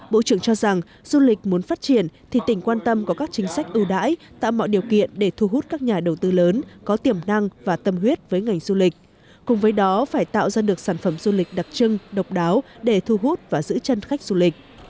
bộ trưởng cho rằng du lịch muốn phát triển thì tỉnh quan tâm có các chính sách ưu đãi tạo mọi điều kiện để thu hút các nhà đầu tư lớn có tiềm năng và tâm huyết với ngành du lịch cùng với đó phải tạo ra được sản phẩm du lịch đặc trưng độc đáo để thu hút và giữ chân khách du lịch